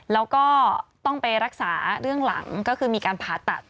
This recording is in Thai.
แล้วก็ต้องไปรักษาเรื่องหลังก็คือมีการผ่าตัด